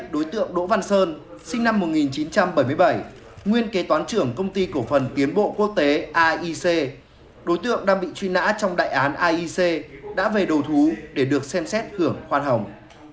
đối tượng đỗ văn sơn sinh năm một nghìn chín trăm bảy mươi bảy nguyên kế toán trưởng công ty cổ phần tiến bộ quốc tế aic đối tượng đang bị truy nã trong đại án aic đã về đầu thú để được xem xét hưởng khoan hồng